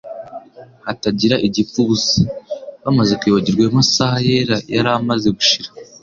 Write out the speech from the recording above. hatagira igipfa ubusa". Bamaze kwibagirwa ayo masaha yera yari amaze gushira,